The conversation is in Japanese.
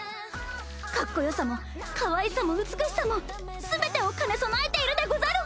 かっこよさもかわいさも美しさもすべてを兼ね備えているでござる！